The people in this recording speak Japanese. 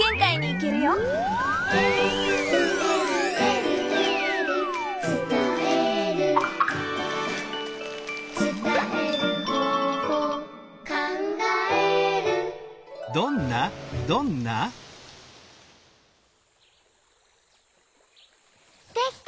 「えるえるえるえる」「つたえる」「つたえる方法」「かんがえる」できた！